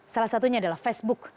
salah satunya adalah facebook